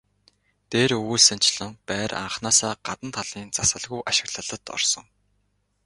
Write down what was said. Дээр өгүүлсэнчлэн байр анхнаасаа гадна талын засалгүй ашиглалтад орсон.